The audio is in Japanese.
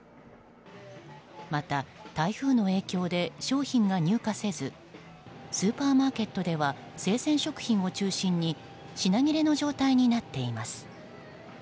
また、台風の影響で商品が入荷せずスーパーマーケットでは生鮮食品を中心に品切れの状態になっています。